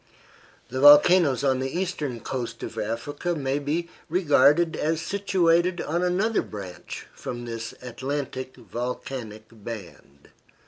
The volcanoes on the eastern coast of Africa may be regarded as situated on another branch from this Atlantic volcanic band.